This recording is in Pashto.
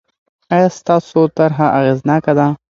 آیا ستاسو طرحه اغېزناکه ده؟